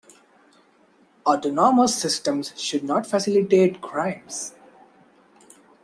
Autonomous systems should not facilitate crimes.